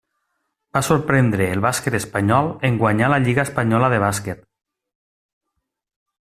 Va sorprendre el bàsquet espanyol en guanyar la lliga espanyola de bàsquet.